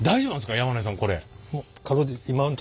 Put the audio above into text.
山根さんこれ。